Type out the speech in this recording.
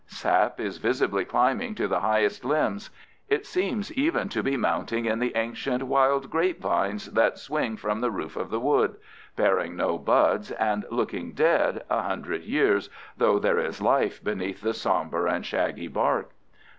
Sap is visibly climbing to the highest limbs. It seems even to be mounting in the ancient wild grape vines that swing from the roof of the wood, bearing no buds and looking dead a hundred years, though there is life beneath the somber and shaggy bark.